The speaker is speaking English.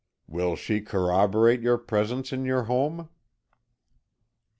"Will she corroborate your presence in your home?"